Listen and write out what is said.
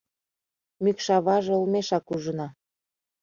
Мӱкшаваже олмешак ужына.